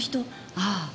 ああ。